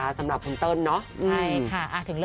วัดประมาณ